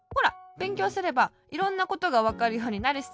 べんきょうすればいろんなことがわかるようになるしさ。